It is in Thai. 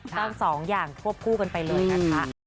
ต้องสองอย่างทั่วผู้กันไปเลยนะคะ